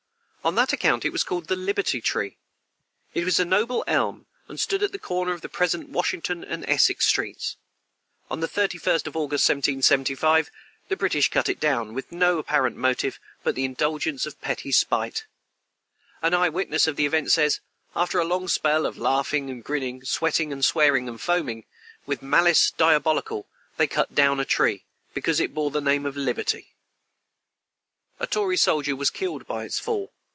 On that account it was called "Liberty Tree." It was a noble elm, and stood at the corner of the present Washington and Essex streets. On the 31st of August, 1775, the British cut it down, with no apparent motive but the indulgence of petty spite. An eye witness of the event says: "After a long spell of laughing and grinning, sweating, swearing, and foaming, with malice diabolical, they cut down a tree, because it bore the name of liberty." A tory soldier was killed by its fall.